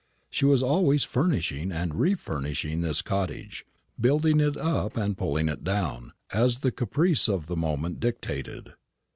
She was always furnishing and refurnishing this cottage, building it up and pulling it down, as the caprice of the moment dictated.